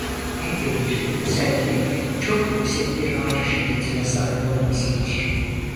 En belirgin özelliği çok yüksek bir ağrı şiddetine sahip olmasıdır.